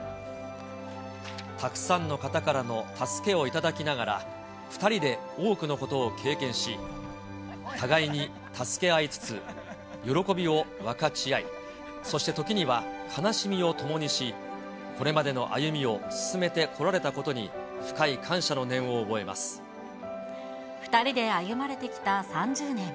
たくさんの方からの助けをいただきながら、２人で多くのことを経験し、互いに助け合いつつ、喜びを分かち合い、そして時には悲しみを共にし、これまでの歩みを進めてこられた２人で歩まれてきた３０年。